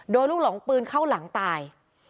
ลูกหลงปืนเข้าหลังตาย